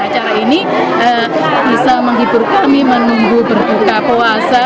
acara ini bisa menghibur kami menunggu berbuka puasa